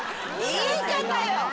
言い方よ。